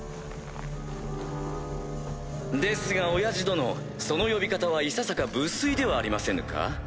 ですが親父殿その呼び方はいささか無粋ではありませぬか？